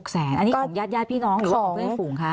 อันนี้ของญาติพี่น้องหรือว่าของเพื่อนฝูงคะ